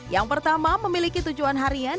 yang pertama memiliki tujuan harian